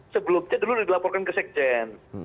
sebelumnya dulu dilaporkan ke sekjen